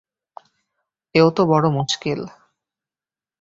এও তো বড়ো মুশকিল!